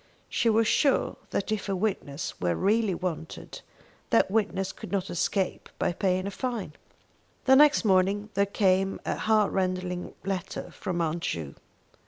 She was sure that if a witness were really wanted, that witness could not escape by paying a fine. The next morning there came a heartrending letter from Aunt Ju.